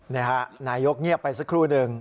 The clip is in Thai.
เนี่ยครับนายกแน็กป์เงียบไปสักครู่หนึ่ง